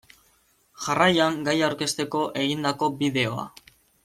Jarraian gaia aurkezteko egindako bideoa.